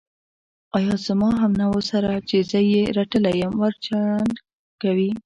ایا زما همنوعو سره چې زه یې رټلی یم، وړ چلند کوې.